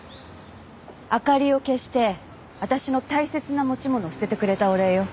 明かりを消して私の大切な持ち物捨ててくれたお礼よ。